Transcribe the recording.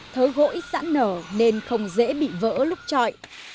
thớ gỗi sẵn nở nên không dễ bị vỡ lúc chọi